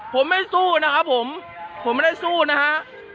ผมไม่สู้นะครับผมผมไม่ได้สู้นะฮะ